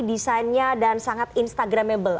desainnya dan sangat instagramable